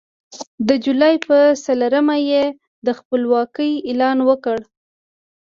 د جولای په څلورمه یې د خپلواکۍ اعلان وکړ.